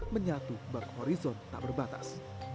menyatu bak horizon tak berbatas